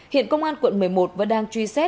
hiện công an quận một mươi một vẫn đang truy xét